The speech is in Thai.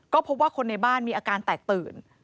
ก็พบว่าคนในบ้านมีอาการแตกตื่น